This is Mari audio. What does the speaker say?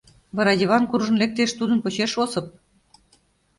Вара Йыван куржын лектеш, тудын почеш — Осып.